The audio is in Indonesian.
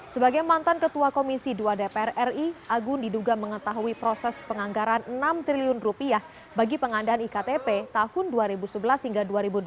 sebagai mantan ketua komisi dua dpr ri agun diduga mengetahui proses penganggaran enam triliun rupiah bagi pengandaan iktp tahun dua ribu sebelas hingga dua ribu dua puluh